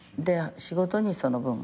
仕事にその分。